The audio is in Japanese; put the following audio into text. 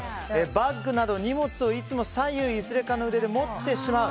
バッグなど荷物をいつも左右いずれかの腕で持ってしまう。